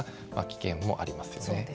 危険もありますよね。